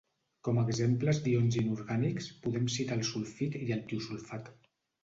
Com a exemples d'ions inorgànics podem citar el sulfit i el tiosulfat.